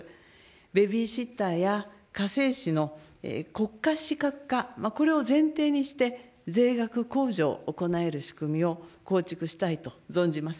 ベビーシッターや家政士の国家資格化、これを前提にして、税額控除を行える仕組みを構築したいと存じます。